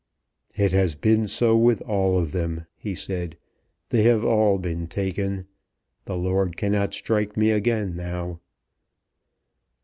"It has been so with all of them," he said. "They have all been taken. The Lord cannot strike me again now."